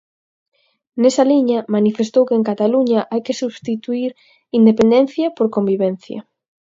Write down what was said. Nesa liña, manifestou que en Cataluña hai que substituír independencia por convivencia.